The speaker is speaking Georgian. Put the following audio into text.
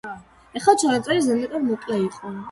გონსალო აქტიურად ებრძოდა დამპყრობლებს.